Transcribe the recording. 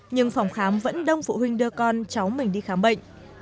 nhưng phòng khám vẫn đông phụ huynh đưa con cháu mình đi khám bệnh